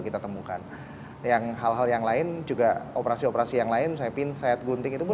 kita temukan yang hal hal yang lain juga operasi operasi yang lain saya pinset gunting itu pun